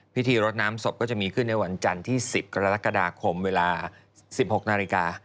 พิธีรดน้ำศพก็จะมีขึ้นในวันจันทร์ที่๑๐กรกฎาคมเวลา๑๖นาฬิกา